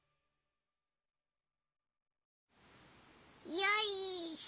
よいしょ。